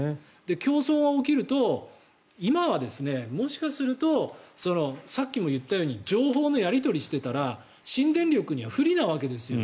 競争が起きると今はもしかするとさっきも言ったように情報のやり取りをしていたら新電力には不利なわけです。